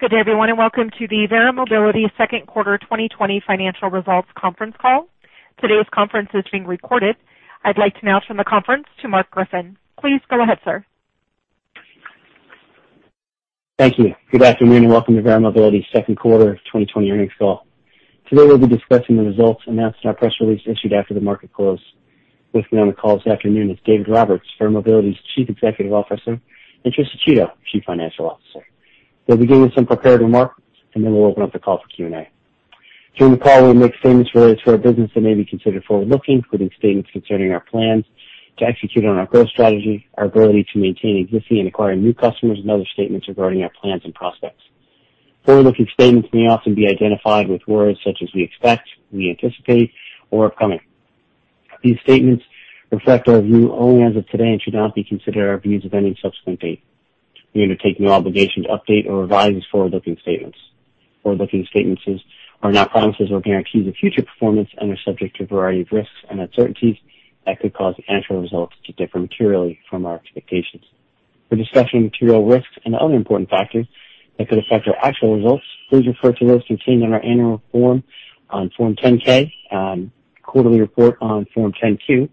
Good day, everyone, welcome to the Verra Mobility Second Quarter 2020 Financial Results Conference Call. Today's conference is being recorded. I'd like to now turn the conference to Marc Griffin. Please go ahead, sir. Thank you. Good afternoon and welcome to Verra Mobility's Second Quarter 2020 Earnings Call. Today we'll be discussing the results announced in our press release issued after the market close. With me on the call this afternoon is Dave Roberts, Verra Mobility's Chief Executive Officer, and Tricia Chiodo, Chief Financial Officer. They'll begin with some prepared remarks and then we'll open up the call for Q&A. During the call, we make statements related to our business that may be considered forward-looking, including statements concerning our plans to execute on our growth strategy, our ability to maintain existing and acquiring new customers, and other statements regarding our plans and prospects. Forward-looking statements may often be identified with words such as "we expect," "we anticipate," or "upcoming." These statements reflect our view only as of today and should not be considered our views of any subsequent date. We undertake no obligation to update or revise these forward-looking statements. Forward-looking statements are not promises or guarantees of future performance and are subject to a variety of risks and uncertainties that could cause actual results to differ materially from our expectations. For discussion of material risks and other important factors that could affect our actual results, please refer to those contained in our annual form on Form 10-K, quarterly report on Form 10-Q,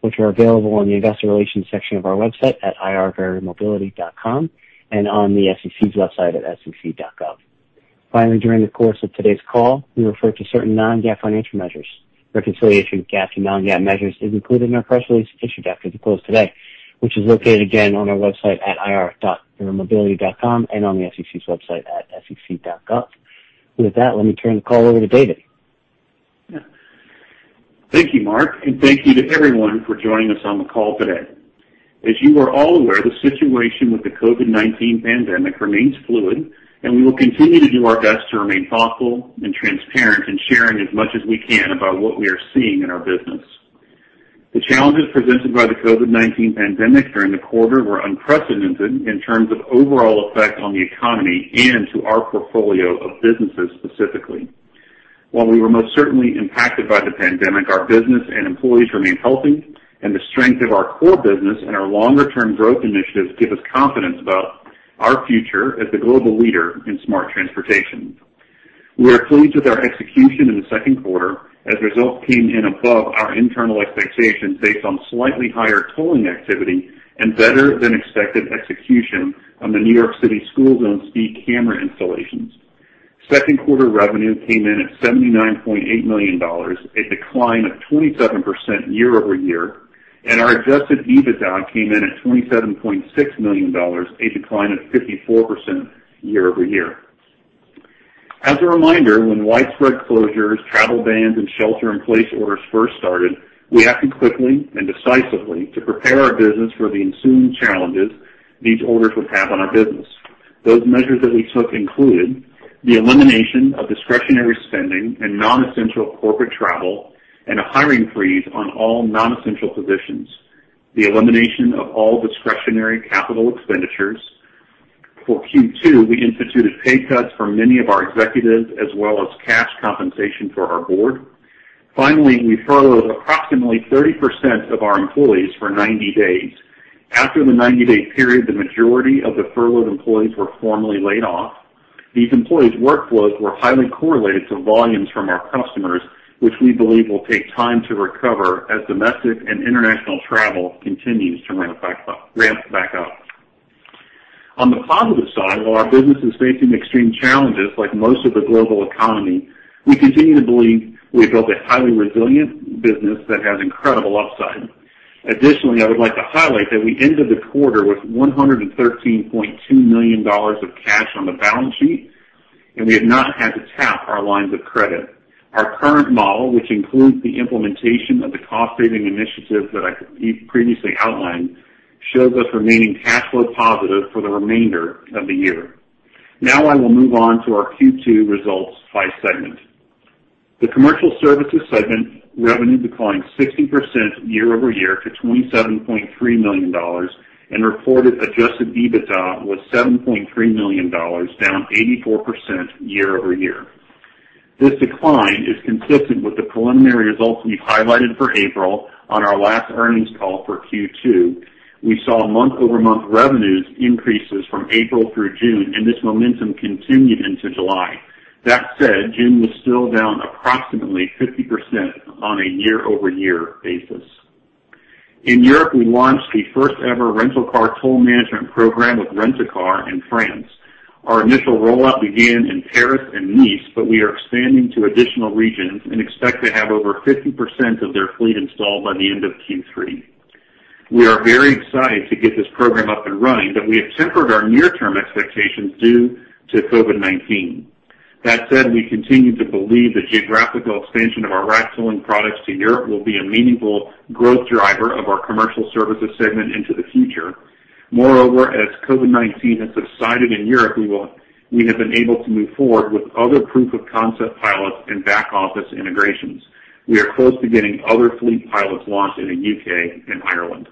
which are available on the investor relations section of our website at ir.verramobility.com and on the SEC's website at sec.gov. Finally, during the course of today's call, we refer to certain non-GAAP financial measures. Reconciliation of GAAP to non-GAAP measures is included in our press release issued after the close today, which is located again on our website at ir.verramobility.com and on the SEC's website at sec.gov. With that, let me turn the call over to David. Thank you, Marc, and thank you to everyone for joining us on the call today. As you are all aware, the situation with the COVID-19 pandemic remains fluid, we will continue to do our best to remain thoughtful and transparent in sharing as much as we can about what we are seeing in our business. The challenges presented by the COVID-19 pandemic during the quarter were unprecedented in terms of overall effect on the economy and to our portfolio of businesses specifically. While we were most certainly impacted by the pandemic, our business and employees remain healthy, the strength of our core business and our longer-term growth initiatives give us confidence about our future as the global leader in smart transportation. We are pleased with our execution in the second quarter, as results came in above our internal expectations based on slightly higher tolling activity and better than expected execution on the New York City school zone speed camera installations. Second quarter revenue came in at $79.8 million, a decline of 27% year-over-year. Our adjusted EBITDA came in at $27.6 million, a decline of 54% year-over-year. As a reminder, when widespread closures, travel bans, and shelter-in-place orders first started, we acted quickly and decisively to prepare our business for the ensuing challenges these orders would have on our business. Those measures that we took included the elimination of discretionary spending and non-essential corporate travel and a hiring freeze on all non-essential positions, the elimination of all discretionary Capital Expenditure. For Q2, we instituted pay cuts for many of our executives as well as cash compensation for our board. We furloughed approximately 30% of our employees for 90 days. After the 90-day period, the majority of the furloughed employees were formally laid off. These employees' workflows were highly correlated to volumes from our customers, which we believe will take time to recover as domestic and international travel continues to ramp back up. On the positive side, while our business is facing extreme challenges like most of the global economy, we continue to believe we built a highly resilient business that has incredible upside. I would like to highlight that we ended the quarter with $113.2 million of cash on the balance sheet, and we have not had to tap our lines of credit. Our current model, which includes the implementation of the cost-saving initiatives that I previously outlined, shows us remaining cash flow positive for the remainder of the year. I will move on to our Q2 results by segment. The Commercial Services segment revenue declined 60% year-over-year to $27.3 million and reported adjusted EBITDA was $7.3 million, down 84% year-over-year. This decline is consistent with the preliminary results we highlighted for April on our last earnings call for Q2. We saw month-over-month revenues increases from April through June. This momentum continued into July. That said, June was still down approximately 50% on a year-over-year basis. In Europe, we launched the first-ever rental car toll management program with Rent-A-Car in France. Our initial rollout began in Paris and Nice. We are expanding to additional regions and expect to have over 50% of their fleet installed by the end of Q3. We are very excited to get this program up and running. We have tempered our near-term expectations due to COVID-19. That said, we continue to believe the geographical expansion of our RAC tolling products to Europe will be a meaningful growth driver of our Commercial Services segment into the future. Moreover, as COVID-19 has subsided in Europe, we have been able to move forward with other proof of concept pilots and back office integrations. We are close to getting other fleet pilots launched in the U.K. and Ireland.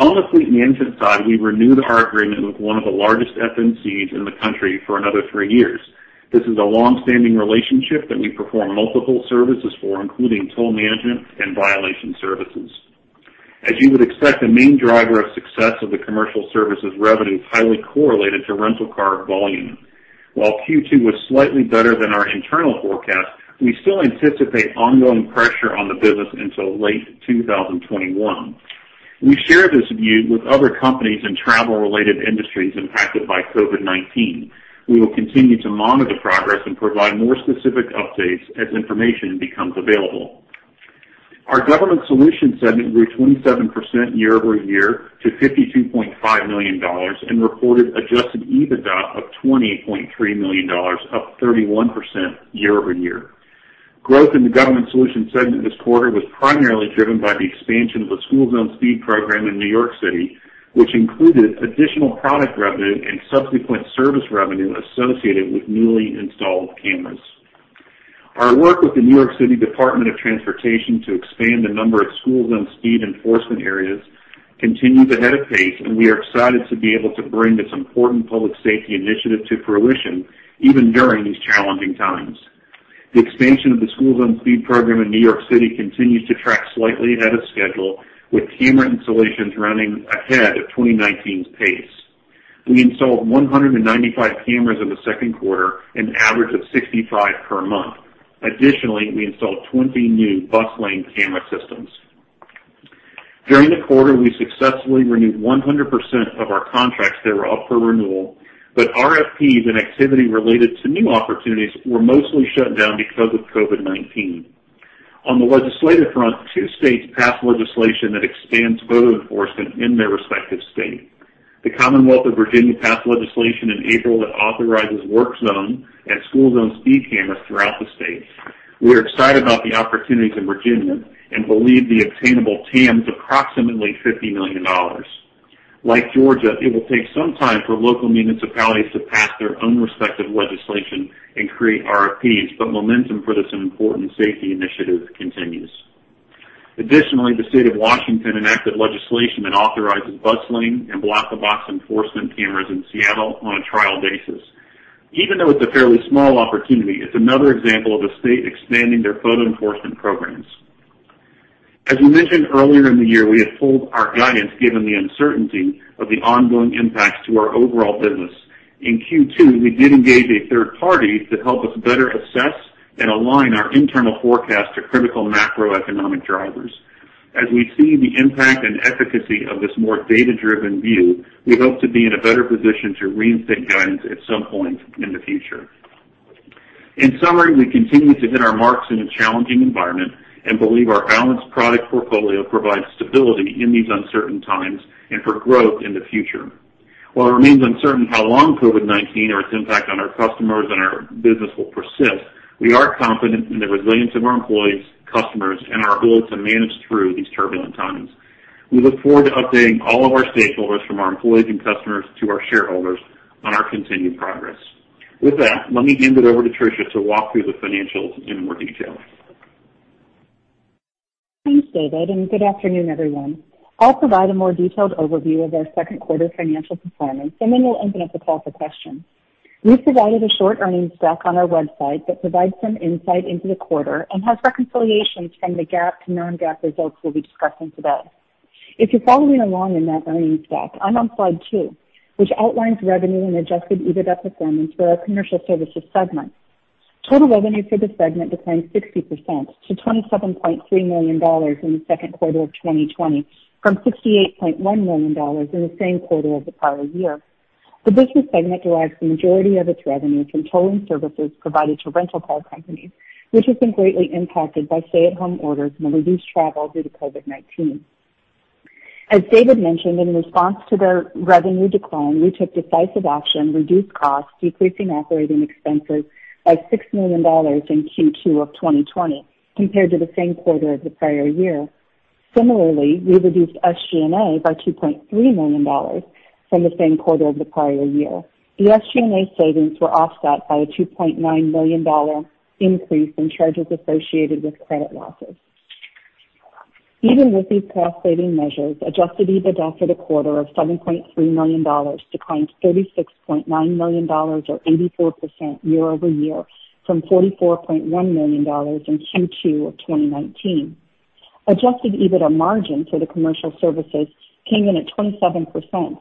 On the fleet management side, we renewed our agreement with one of the largest FMCs in the country for another three years. This is a long-standing relationship that we perform multiple services for, including toll management and violation services. As you would expect, the main driver of success of the commercial services revenue is highly correlated to rental car volume. While Q2 was slightly better than our internal forecast, we still anticipate ongoing pressure on the business until late 2021. We share this view with other companies in travel-related industries impacted by COVID-19. We will continue to monitor progress and provide more specific updates as information becomes available. Our government solutions segment grew 27% year-over-year to $52.5 million and reported adjusted EBITDA of $20.3 million, up 31% year-over-year. Growth in the government solutions segment this quarter was primarily driven by the expansion of the school zone speed program in New York City, which included additional product revenue and subsequent service revenue associated with newly installed cameras. Our work with the New York City Department of Transportation to expand the number of school zone speed enforcement areas continues ahead of pace. We are excited to be able to bring this important public safety initiative to fruition, even during these challenging times. The expansion of the school zone speed program in New York City continues to track slightly ahead of schedule, with camera installations running ahead of 2019's pace. We installed 195 cameras in the second quarter, an average of 65 per month. Additionally, we installed 20 new bus lane camera systems. During the quarter, we successfully renewed 100% of our contracts that were up for renewal. RFPs and activity related to new opportunities were mostly shut down because of COVID-19. On the legislative front, two states passed legislation that expands photo enforcement in their respective state. The Commonwealth of Virginia passed legislation in April that authorizes work zone and school zone speed cameras throughout the state. We're excited about the opportunities in Virginia and believe the obtainable TAM is approximately $50 million. Like Georgia, it will take some time for local municipalities to pass their own respective legislation and create RFPs, momentum for this important safety initiative continues. Additionally, the State of Washington enacted legislation that authorizes bus lane and block-the-box enforcement cameras in Seattle on a trial basis. Even though it's a fairly small opportunity, it's another example of a state expanding their photo enforcement programs. As we mentioned earlier in the year, we had pulled our guidance given the uncertainty of the ongoing impacts to our overall business. In Q2, we did engage a third party to help us better assess and align our internal forecast to critical macroeconomic drivers. As we see the impact and efficacy of this more data-driven view, we hope to be in a better position to reinstate guidance at some point in the future. In summary, we continue to hit our marks in a challenging environment and believe our balanced product portfolio provides stability in these uncertain times and for growth in the future. While it remains uncertain how long COVID-19 or its impact on our customers and our business will persist, we are confident in the resilience of our employees, customers, and our ability to manage through these turbulent times. We look forward to updating all of our stakeholders, from our employees and customers to our shareholders, on our continued progress. With that, let me hand it over to Tricia to walk through the financials in more detail. Thanks, David, and good afternoon, everyone. I'll provide a more detailed overview of our second quarter financial performance, and then we'll open up the call for questions. We've provided a short earnings deck on our website that provides some insight into the quarter and has reconciliations from the GAAP to non-GAAP results we'll be discussing today. If you're following along in that earnings deck, I'm on slide two, which outlines revenue and adjusted EBITDA performance for our commercial services segment. Total revenue for the segment declined 60% to $27.3 million in the second quarter of 2020 from $68.1 million in the same quarter of the prior year. The business segment derives the majority of its revenue from tolling services provided to rental car companies, which has been greatly impacted by stay-at-home orders and reduced travel due to COVID-19. As David mentioned, in response to the revenue decline, we took decisive action, reduced costs, decreasing operating expenses by $6 million in Q2 of 2020 compared to the same quarter of the prior year. Similarly, we reduced SG&A by $2.3 million from the same quarter of the prior year. The SG&A savings were offset by a $2.9 million increase in charges associated with credit losses. Even with these cost-saving measures, adjusted EBITDA for the quarter of $7.3 million declined $36.9 million, or 84% year-over-year, from $44.1 million in Q2 of 2019. Adjusted EBITDA margin for the commercial services came in at 27%.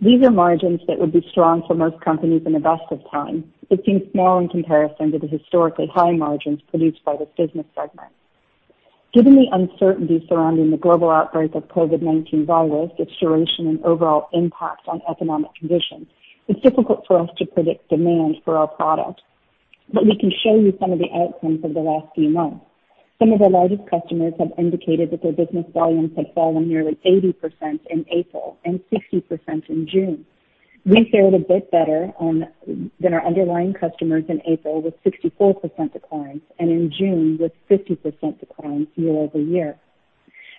These are margins that would be strong for most companies in the best of times, but seem small in comparison to the historically high margins produced by this business segment. Given the uncertainty surrounding the global outbreak of COVID-19 virus, its duration, and overall impact on economic conditions, it is difficult for us to predict demand for our product. We can show you some of the outcomes of the last few months. Some of our largest customers have indicated that their business volumes had fallen nearly 80% in April and 60% in June. We fared a bit better than our underlying customers in April with 64% declines and in June with 50% declines year-over-year.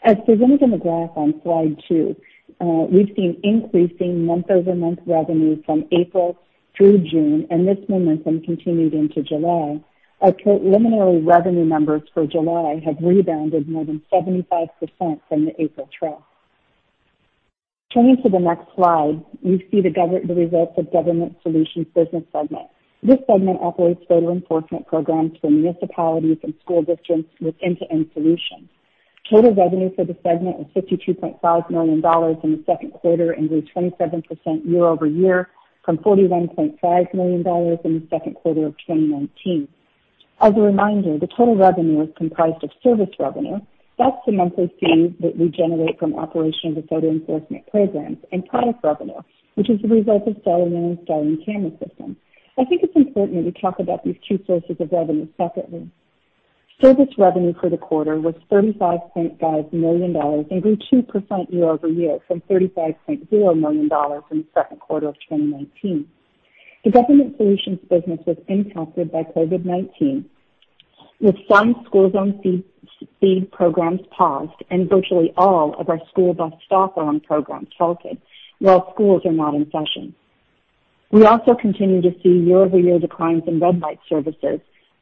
As presented in the graph on slide two, we have seen increasing month-over-month revenue from April through June, and this momentum continued into July. Our preliminary revenue numbers for July have rebounded more than 75% from the April trough. Turning to the next slide, we see the results of Government Solutions business segment. This segment operates photo enforcement programs for municipalities and school districts with end-to-end solutions. Total revenue for the segment was $52.5 million in the second quarter and grew 27% year-over-year from $41.5 million in the second quarter of 2019. As a reminder, the total revenue is comprised of service revenue. That's the monthly fees that we generate from operation of the photo enforcement programs and product revenue, which is the result of selling and installing camera systems. I think it's important that we talk about these two sources of revenue separately. Service revenue for the quarter was $35.5 million and grew 2% year-over-year from $35.0 million in the second quarter of 2019. The Government Solutions business was impacted by COVID-19, with some school zone speed programs paused and virtually all of our school bus stop arm programs halted while schools are not in session. We also continue to see year-over-year declines in red light services,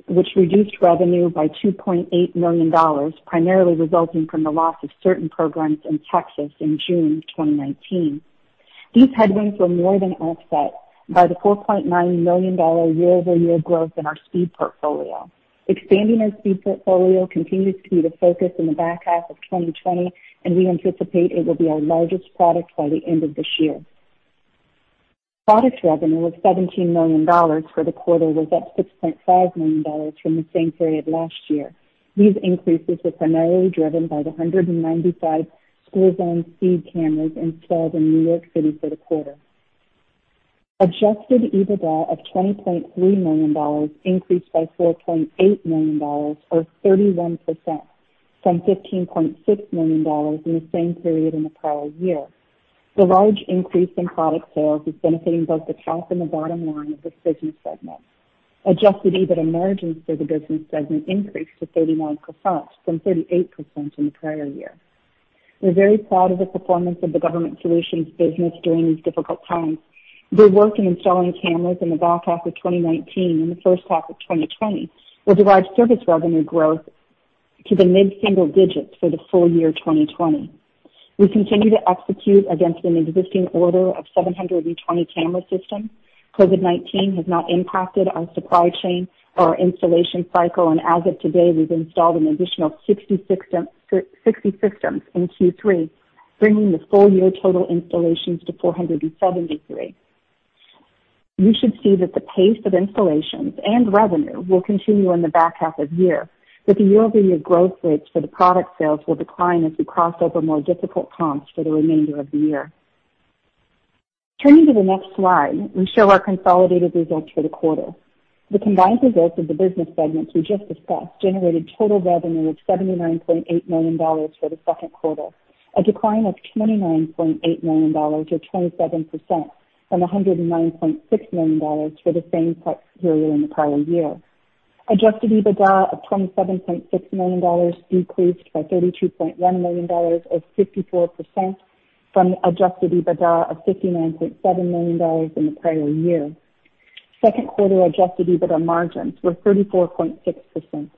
which reduced revenue by $2.8 million, primarily resulting from the loss of certain programs in Texas in June 2019. These headwinds were more than offset by the $4.9 million year-over-year growth in our speed portfolio. Expanding our speed portfolio continues to be the focus in the back half of 2020. We anticipate it will be our largest product by the end of this year. Product revenue was $17 million for the quarter was up $6.5 million from the same period last year. These increases were primarily driven by the 195 school zone speed cameras installed in New York City for the quarter. Adjusted EBITDA of $20.3 million increased by $4.8 million or 31% from $15.6 million in the same period in the prior year. The large increase in product sales is benefiting both the top and the bottom line of this business segment. Adjusted EBITDA margins for the business segment increased to 31% from 38% in the prior year. We're very proud of the performance of the Government Solutions business during these difficult times. Their work in installing cameras in the back half of 2019 and the first half of 2020 will drive service revenue growth to the mid-single digits for the full-year 2020. We continue to execute against an existing order of 720 camera systems. COVID-19 has not impacted our supply chain or our installation cycle, and as of today, we've installed an additional 60 systems in Q3, bringing the full-year total installations to 473. The pace of installations and revenue will continue in the back half of the year, the year-over-year growth rates for the product sales will decline as we cross over more difficult comps for the remainder of the year. Turning to the next slide, we show our consolidated results for the quarter. The combined results of the business segments we just discussed generated total revenue of $79.8 million for the second quarter, a decline of $29.8 million or 27% from $109.6 million for the same period in the prior year. Adjusted EBITDA of $27.6 million decreased by $32.1 million or 54% from the adjusted EBITDA of $59.7 million in the prior year. Second quarter adjusted EBITDA margins were 34.6%.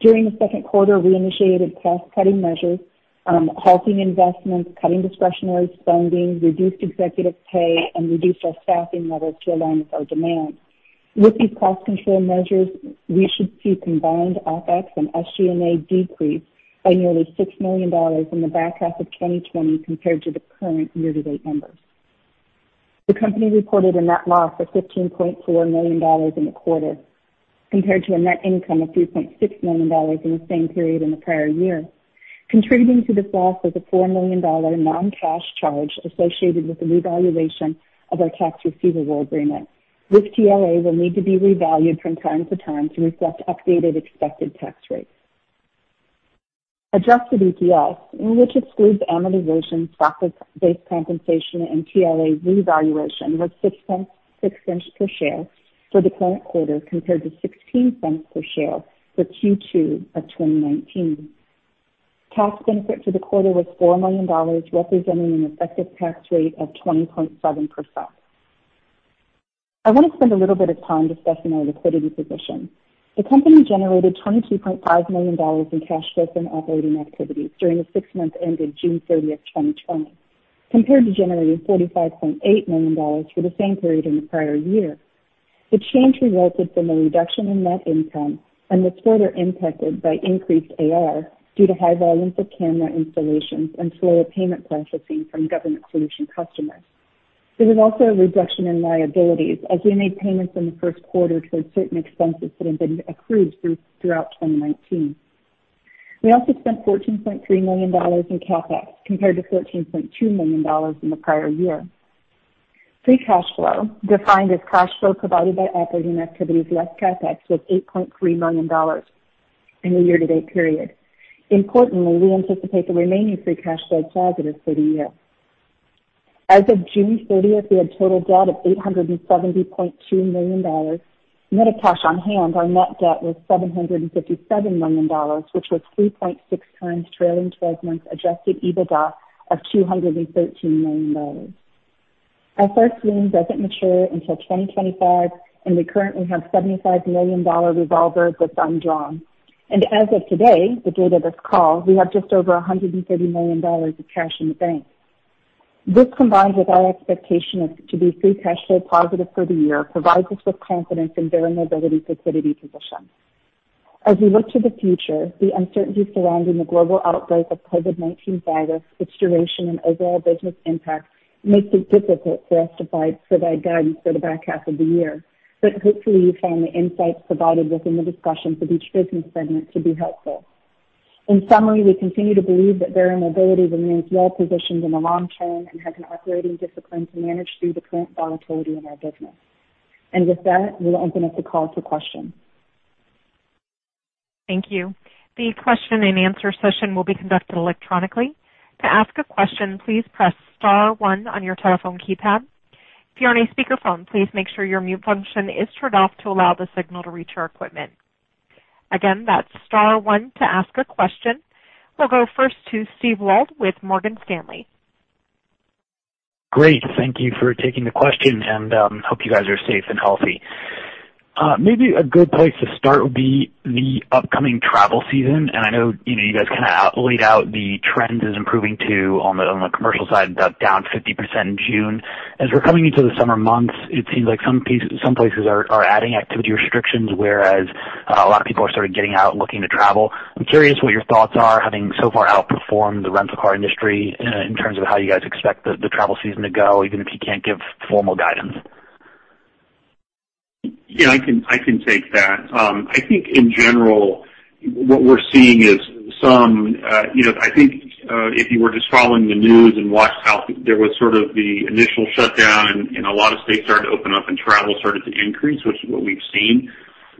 During the second quarter, we initiated cost-cutting measures, halting investments, cutting discretionary spending, reduced executive pay, and reduced our staffing levels to align with our demand. With these cost control measures, we should see combined OpEX and SG&A decrease by nearly $6 million in the back half of 2020 compared to the current year-to-date numbers. The company reported a net loss of $15.4 million in the quarter, compared to a net income of $3.6 million in the same period in the prior year. Contributing to this loss was a $4 million non-cash charge associated with the revaluation of our tax receivable agreement. This TRA will need to be revalued from time to time to reflect updated expected tax rates. Adjusted EPS, which excludes amortization, stock-based compensation, and TRA revaluation, was $0.06 per share for the current quarter, compared to $0.16 per share for Q2 of 2019. Tax benefit for the quarter was $4 million, representing an effective tax rate of 20.7%. I want to spend a little bit of time discussing our liquidity position. The company generated $22.5 million in cash flows from operating activities during the six months ended June 30th, 2020, compared to generating $45.8 million for the same period in the prior year. The change resulted from a reduction in net income and was further impacted by increased AR due to high volumes of camera installations and slower payment processing from Government Solution customers. There was also a reduction in liabilities as we made payments in the first quarter towards certain expenses that had been accrued throughout 2019. We also spent $14.3 million in CapEx, compared to $14.2 million in the prior year. Free cash flow, defined as cash flow provided by operating activities less CapEx, was $8.3 million in the year-to-date period. Importantly, we anticipate the remaining free cash flow is positive for the year. As of June 30th, we had total debt of $870.2 million. Net of cash on hand, our net debt was $757 million, which was 3.6x trailing 12 months adjusted EBITDA of $213 million. Our first loan doesn't mature until 2025, and we currently have a $75 million revolver that's undrawn. As of today, the date of this call, we have just over $130 million of cash in the bank. This, combined with our expectation to be free cash flow positive for the year, provides us with confidence in Verra Mobility's liquidity position. As we look to the future, the uncertainty surrounding the global outbreak of COVID-19 virus, its duration, and overall business impact makes it difficult for us to provide guidance for the back half of the year. Hopefully, you find the insights provided within the discussions of each business segment to be helpful. In summary, we continue to believe that Verra Mobility remains well-positioned in the long term and has an operating discipline to manage through the current volatility in our business. With that, we'll open up the call to questions. Thank you. The question-and-answer session will be conducted electronically. To ask a question, please press star one on your telephone keypad. If you're on a speaker phone, please make sure your mute function is turned off to allow the signal to reach our equipment. Again, that's star one to ask a question. The question and answer session will be conducted electronically. We'll go first to Steve Wald with Morgan Stanley. Great. Thank you for taking the question. Hope you guys are safe and healthy. Maybe a good place to start would be the upcoming travel season. I know you guys kind of laid out the trends as improving too on the commercial side, down 50% in June. As we're coming into the summer months, it seems like some places are adding activity restrictions, whereas a lot of people are sort of getting out, looking to travel. I'm curious what your thoughts are, having so far outperformed the rental car industry in terms of how you guys expect the travel season to go, even if you can't give formal guidance. Yeah, I can take that. I think in general, what we're seeing is I think if you were just following the news and watched how there was sort of the initial shutdown and a lot of states started to open up and travel started to increase, which is what we've seen,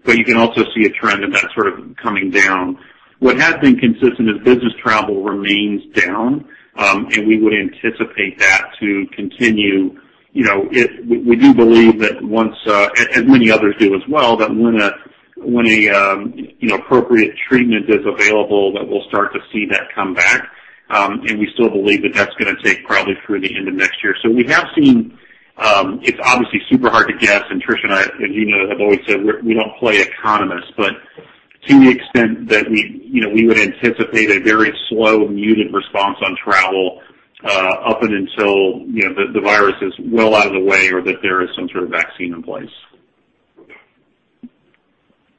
but you can also see a trend of that sort of coming down. What has been consistent is business travel remains down, and we would anticipate that to continue. We do believe that once, and many others do as well, that when an appropriate treatment is available, that we'll start to see that come back. We still believe that that's going to take probably through the end of next year. It's obviously super hard to guess, and Trish and I, as you know, have always said, we don't play economist, but to the extent that we would anticipate a very slow muted response on travel up and until the virus is well out of the way or that there is some sort of vaccine in place.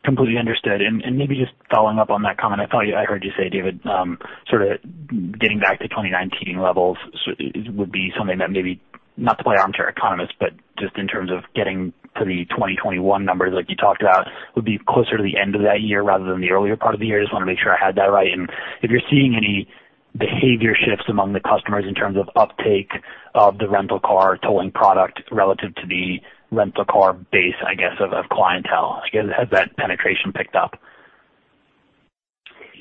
Completely understood. Maybe just following up on that comment, I thought I heard you say, David, sort of getting back to 2019 levels would be something that maybe, not to play armchair economist, but just in terms of getting to the 2021 numbers like you talked about, would be closer to the end of that year rather than the earlier part of the year. Just want to make sure I had that right. If you're seeing any behavior shifts among the customers in terms of uptake of the rental car tolling product relative to the rental car base, I guess, of clientele. Again, has that penetration picked up?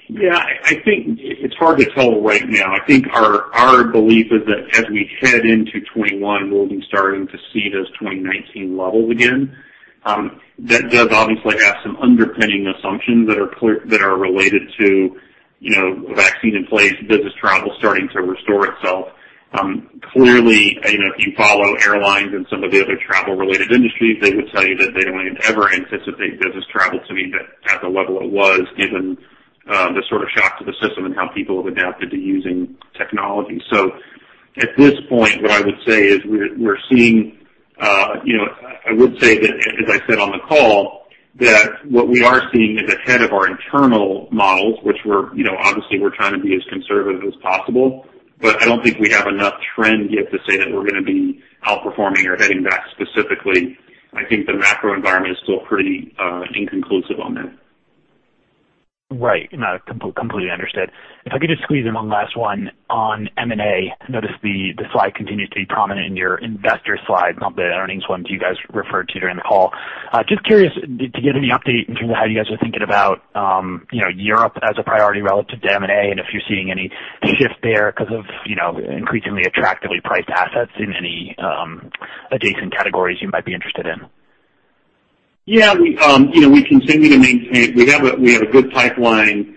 Yeah, I think it's hard to tell right now. I think our belief is that as we head into 2021, we'll be starting to see those 2019 levels again. That does obviously have some underpinning assumptions that are related to a vaccine in place, business travel starting to restore itself. Clearly, if you follow airlines and some of the other travel-related industries, they would tell you that they don't even ever anticipate business travel to be at the level it was, given the sort of shock to the system and how people have adapted to using technology. At this point, what I would say is that, as I said on the call, that what we are seeing is ahead of our internal models, which we're obviously trying to be as conservative as possible, but I don't think we have enough trend yet to say that we're going to be outperforming or heading back specifically. I think the macro environment is still pretty inconclusive on that. Right. No, completely understood. If I could just squeeze in one last one on M&A. Noticed the slide continues to be prominent in your investor slide, not the earnings ones you guys referred to during the call. Just curious to get any update in terms of how you guys are thinking about Europe as a priority relative to M&A and if you're seeing any shift there because of increasingly attractively priced assets in any adjacent categories you might be interested in. Yeah. We have a good pipeline.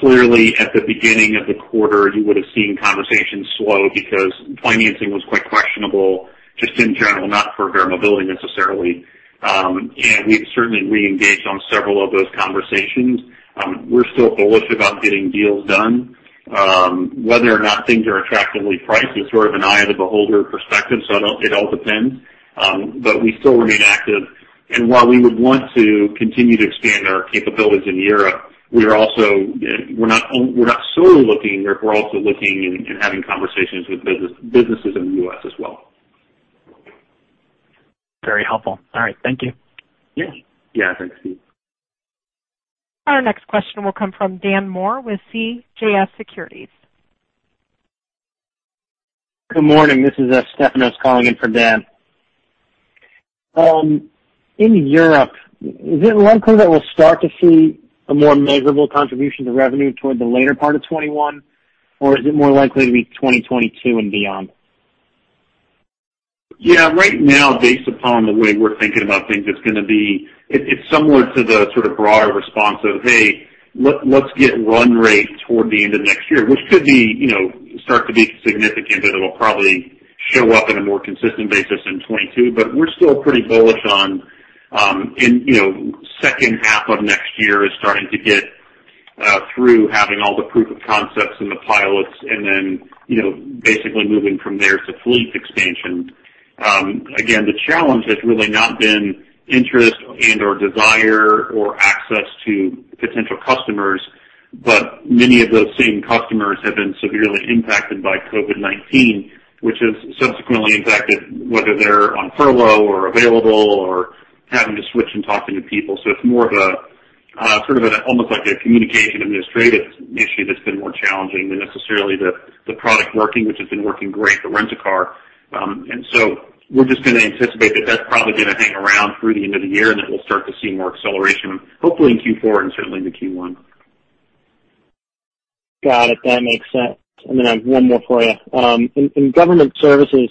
Clearly, at the beginning of the quarter, you would have seen conversations slow because financing was quite questionable just in general, not for Verra Mobility necessarily. We've certainly reengaged on several of those conversations. We're still bullish about getting deals done. Whether or not things are attractively priced is sort of an eye of the beholder perspective, so it all depends. We still remain active. While we would want to continue to expand our capabilities in Europe, we're not solely looking there. We're also looking and having conversations with businesses in the U.S. as well. Very helpful. All right. Thank you. Yeah. Thanks, Steve. Our next question will come from Dan Moore with CJS Securities. Good morning. This is Stefanos calling in for Dan. In Europe, is it likely that we'll start to see a more measurable contribution to revenue toward the later part of 2021, or is it more likely to be 2022 and beyond? Yeah. Right now, based upon the way we're thinking about things, it's similar to the sort of broader response of, hey, let's get run rate toward the end of next year, which could start to be significant, it will probably show up in a more consistent basis in 2022. We're still pretty bullish on second half of next year is starting to get through having all the proof of concepts and the pilots and then basically moving from there to fleet expansion. Again, the challenge has really not been interest and/or desire or access to potential customers, many of those same customers have been severely impacted by COVID-19, which has subsequently impacted whether they're on furlough or available or having to switch and talking to people. It's more of almost like a communication administrative issue that's been more challenging than necessarily the product working, which has been working great for Rent A Car. We're just going to anticipate that's probably going to hang around through the end of the year, and then we'll start to see more acceleration, hopefully in Q4 and certainly into Q1. Got it. That makes sense. I have one more for you. In government services,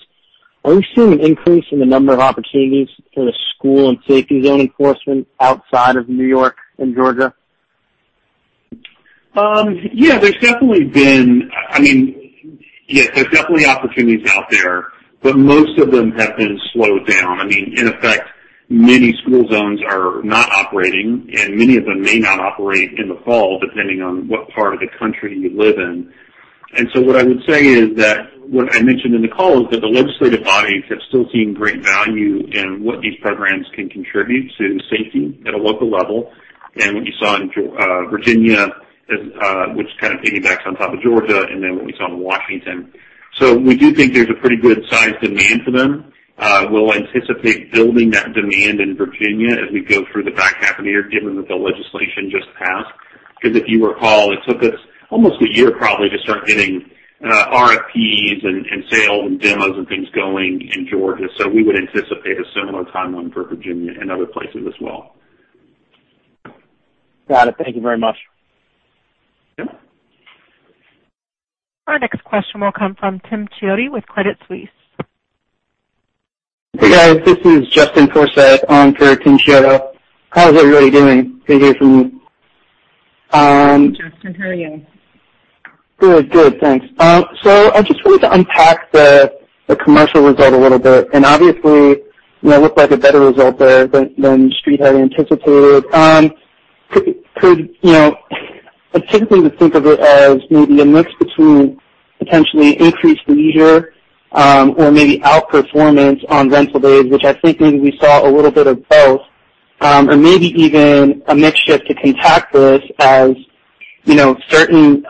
are you seeing an increase in the number of opportunities for the school and safety zone enforcement outside of New York and Georgia? There's definitely opportunities out there, but most of them have been slowed down. In effect, many school zones are not operating, and many of them may not operate in the fall, depending on what part of the country you live in. What I would say is that what I mentioned in the call is that the legislative bodies have still seen great value in what these programs can contribute to safety at a local level. What you saw in Virginia, which kind of piggybacks on top of Georgia, and then what we saw in Washington. We do think there's a pretty good size demand for them. We'll anticipate building that demand in Virginia as we go through the back half of the year, given that the legislation just passed. If you recall, it took us almost a year probably to start getting RFPs and sales and demos and things going in Georgia. We would anticipate a similar timeline for Virginia and other places as well. Got it. Thank you very much. Yeah. Our next question will come from Tim Chiodo with Credit Suisse. Hey, guys. This is Justin Forsythe on for Tim Chiodo. How's everybody doing? Good to hear from you. Hi, Justin. How are you? Good, thanks. I just wanted to unpack the commercial result a little bit, and obviously, it looked like a better result there than the Street had anticipated. I'm tempted to think of it as maybe a mix between potentially increased leisure or maybe outperformance on rental days, which I think maybe we saw a little bit of both, or maybe even a mix shift to contactless as certain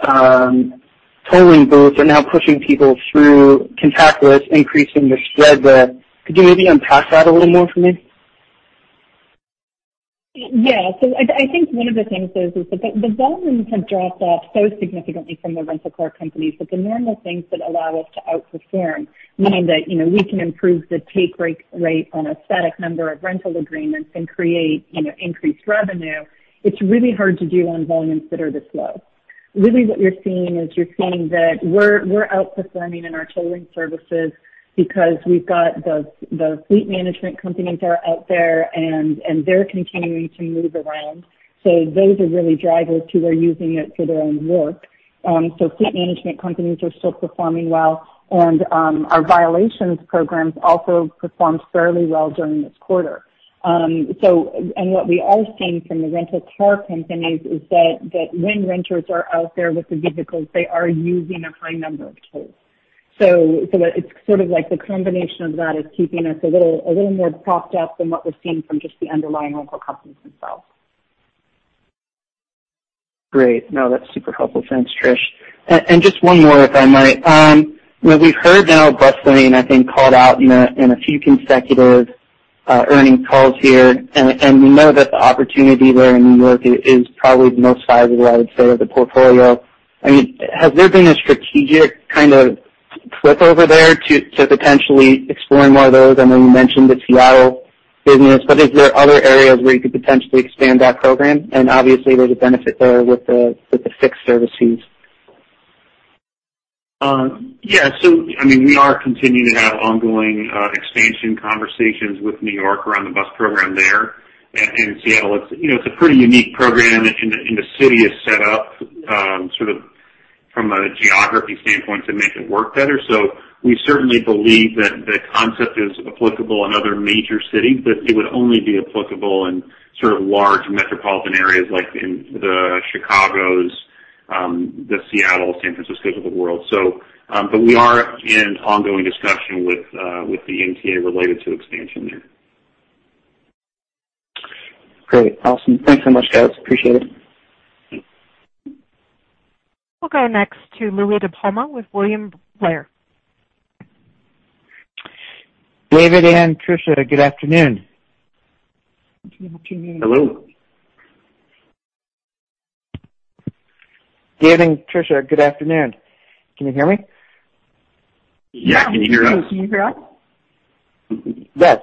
tolling booths are now pushing people through contactless, increasing the spread there. Could you maybe unpack that a little more for me? Yeah. I think one of the things is that the volumes have dropped off so significantly from the rental car companies that the normal things that allow us to outperform, meaning that we can improve the take rate on a static number of rental agreements and create increased revenue. It's really hard to do on volumes that are this low. Really what you're seeing is you're seeing that we're outperforming in our tolling services because we've got the fleet management companies are out there and they're continuing to move around. Those are really drivers who are using it for their own work. Fleet management companies are still performing well. Our violations programs also performed fairly well during this quarter. What we are seeing from the rental car companies is that when renters are out there with the vehicles, they are using a high number of tolls. It's sort of like the combination of that is keeping us a little more propped up than what we're seeing from just the underlying local companies themselves. Great. No, that's super helpful. Thanks, Trish. Just one more, if I might. We've heard now bus lane, I think, called out in a few consecutive earnings calls here, and we know that the opportunity there in New York is probably the most sizable, I would say, of the portfolio. Has there been a strategic kind of flip over there to potentially explore more of those? I know you mentioned the Seattle business, but is there other areas where you could potentially expand that program? Obviously, there's a benefit there with the fixed service fees. Yeah. We are continuing to have ongoing expansion conversations with New York around the bus program there and Seattle. It's a pretty unique program, and the city is set up sort of from a geography standpoint to make it work better. We certainly believe that the concept is applicable in other major cities, but it would only be applicable in sort of large metropolitan areas like in the Chicagos, the Seattle, San Franciscos of the world. We are in ongoing discussion with the MTA related to expansion there. Great. Awesome. Thanks so much, guys. Appreciate it. We'll go next to Louie DiPalma with William Blair. David and Tricia, good afternoon. Good afternoon. Hello. David and Tricia, good afternoon. Can you hear me? Yeah, can you hear us? Can you hear us? Yes.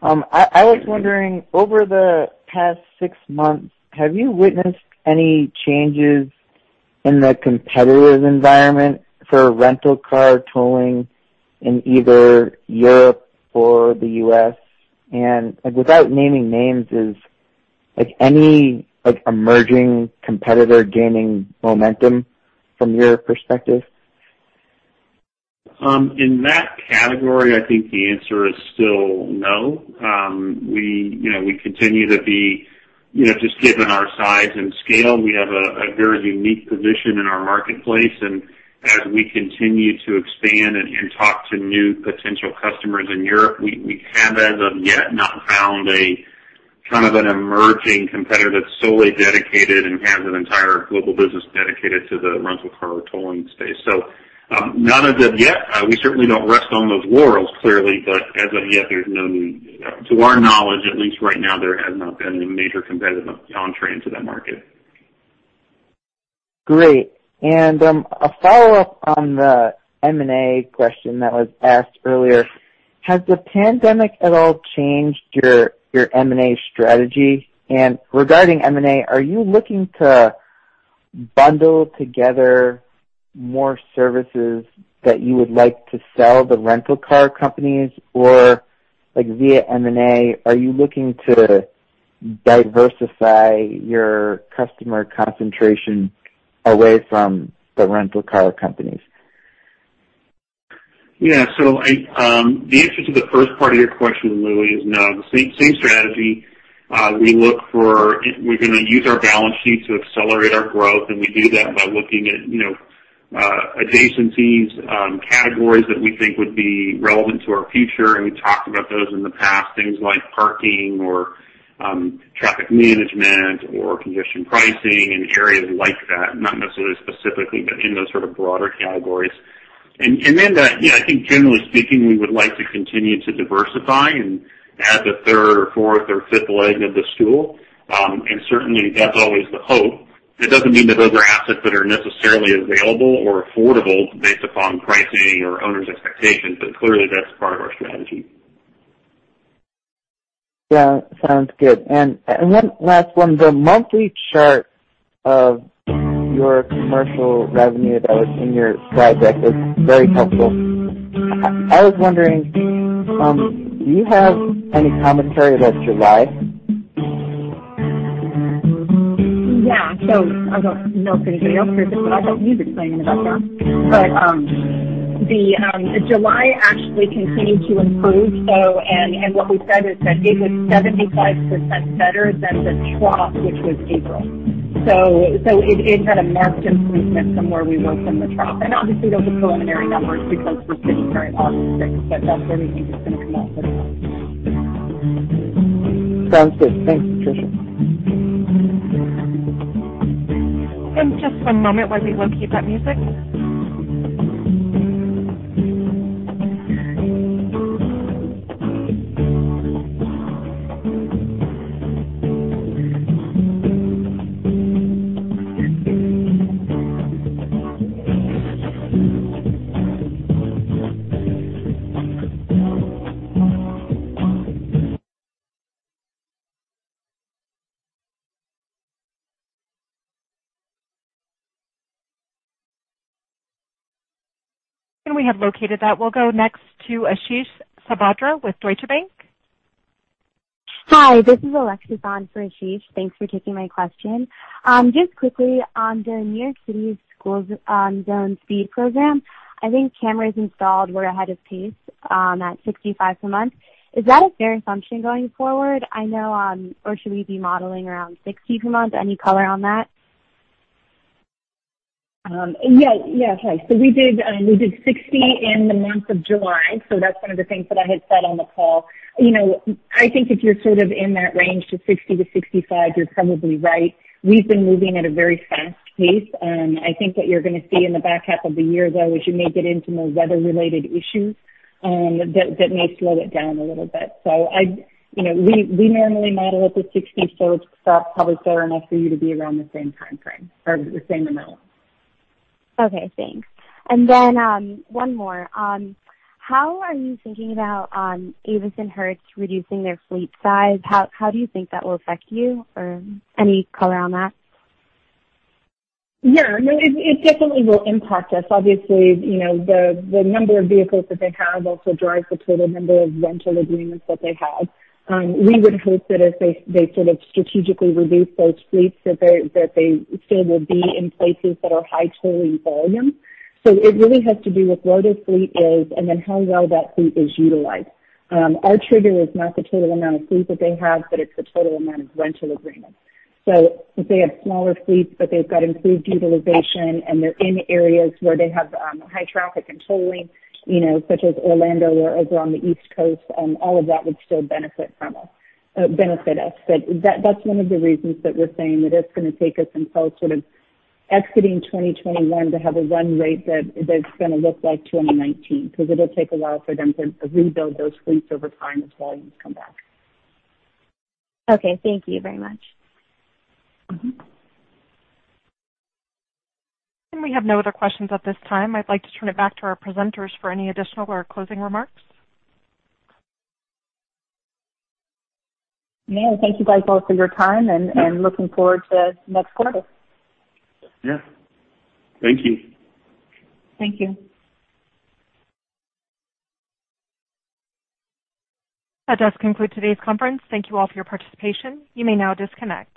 I was wondering, over the past six months, have you witnessed any changes in the competitive environment for rental car tolling in either Europe or the U.S.? Without naming names, is any emerging competitor gaining momentum from your perspective? In that category, I think the answer is still no. Just given our size and scale, we have a very unique position in our marketplace, and as we continue to expand and talk to new potential customers in Europe, we have, as of yet, not found an emerging competitor that's solely dedicated and has an entire global business dedicated to the rental car tolling space. Not as of yet. We certainly don't rest on those laurels, clearly, but as of yet, to our knowledge, at least right now, there has not been a major competitive entree into that market. Great. A follow-up on the M&A question that was asked earlier. Has the pandemic at all changed your M&A strategy? Regarding M&A, are you looking to bundle together more services that you would like to sell the rental car companies? Via M&A, are you looking to diversify your customer concentration away from the rental car companies? The answer to the first part of your question, Louie, is no. The same strategy. We're going to use our balance sheet to accelerate our growth, and we do that by looking at adjacencies, categories that we think would be relevant to our future. We've talked about those in the past, things like parking or traffic management or congestion pricing and areas like that. Not necessarily specifically, but in those sort of broader categories. I think generally speaking, we would like to continue to diversify and add the third or fourth or fifth leg of the stool, and certainly, that's always the hope. That doesn't mean that those are assets that are necessarily available or affordable based upon pricing or owners' expectations, but clearly, that's part of our strategy. Yeah. Sounds good. One last one. The monthly chart of your commercial revenue that was in your slide deck was very helpful. I was wondering, do you have any commentary about July? I don't know if anybody else heard this, [about the music playing on the background]. The July actually continued to improve, and what we said is that it was 75% better than the trough, which was April. It had a marked improvement from where we were from the trough. Obviously, those are preliminary numbers because we're sitting very August 6, but that's what we think is going to come out for the month. Sounds good. Thanks, Tricia. One just one moment while we locate that music. We have located that. We'll go next to Ashish Sabadra with Deutsche Bank. Hi, this is Alexis on for Ashish. Thanks for taking my question. Just quickly on the New York City School Zone Speed program, I think cameras installed were ahead of pace at 65 per month. Is that a fair assumption going forward, or should we be modeling around 60 per month? Any color on that? Yeah. Okay. We did 60 in the month of July. That's one of the things that I had said on the call. I think if you're sort of in that range to 60-65, you're probably right. We've been moving at a very fast pace. I think what you're going to see in the back half of the year, though, is you may get into more weather-related issues that may slow it down a little bit. We normally model at the 60, so that's probably fair enough for you to be around the same timeframe or the same amount. Okay, thanks. One more. How are you thinking about Avis and Hertz reducing their fleet size? How do you think that will affect you? Any color on that? No, it definitely will impact us. Obviously, the number of vehicles that they have also drives the total number of rental agreements that they have. We would hope that as they sort of strategically reduce those fleets that they still will be in places that are high tolling volume. It really has to do with where the fleet is and then how well that fleet is utilized. Our trigger is not the total amount of fleet that they have, but it's the total amount of rental agreements. If they have smaller fleets, but they've got improved utilization and they're in areas where they have high traffic and tolling such as Orlando or over on the East Coast, all of that would still benefit us. That's one of the reasons that we're saying that it's going to take us until sort of exiting 2021 to have a run rate that's going to look like 2019, because it'll take a while for them to rebuild those fleets over time as volumes come back. Okay. Thank you very much. We have no other questions at this time. I'd like to turn it back to our presenters for any additional or closing remarks. No, thank you guys both for your time, and looking forward to next quarter. Yeah. Thank you. Thank you. That does conclude today's conference. Thank you all for your participation. You may now disconnect.